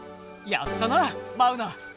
やったなマウナ。